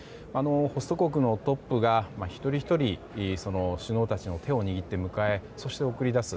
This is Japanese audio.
ホスト国のトップが一人ひとり首脳たちの手を握って迎えそして、送り出す。